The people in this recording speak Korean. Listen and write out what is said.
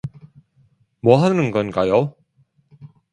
뭐하는건가요?